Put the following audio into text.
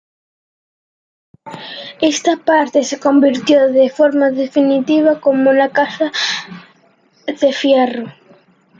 Esta parte se convirtió de forma definitiva como la Casa de Fierro.